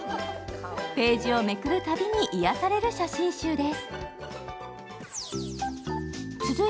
ページをめくるたびに癒やされる写真集です。